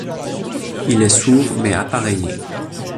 Il est sourd mais appareillé.